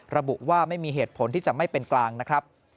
ระบุว่าไม่มีเหตุผลที่จะไม่เป็นกลางนะครับ